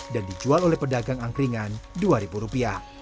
dan dijual oleh pedagang angkringan rp dua